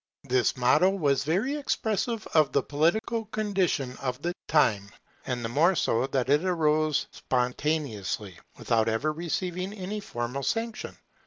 This motto was very expressive of the political condition of the time; and the more so that it arose spontaneously, without ever receiving any formal sanction.